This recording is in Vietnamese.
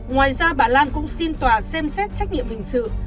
ngoài ra bà lan cũng xin tòa xem xét trách nhiệm hình sự